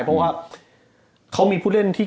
เพราะว่าเขามีผู้เล่นมากนะครับ